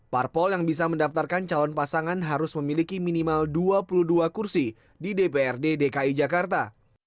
parpol yang bisa mendaftarkan calon pasangan harus memiliki minimal dua puluh dua kursi di dprd dki jakarta